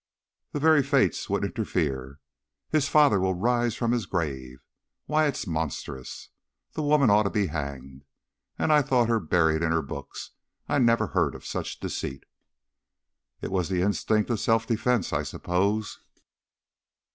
The very Fates would interfere. His father will rise from his grave. Why, it's monstrous. The woman ought to be hanged. And I thought her buried in her books! I never heard of such deceit." "It was the instinct of self defence, I suppose."